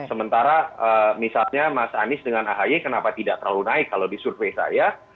sementara misalnya mas anies dengan ahy kenapa tidak terlalu naik kalau di survei saya